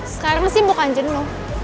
sekarang masih bukan jenuh